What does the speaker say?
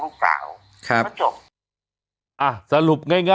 รูปของกะติกได้กะติกก็เป็นผู้ปกครองของลูกสาวแล้วจบ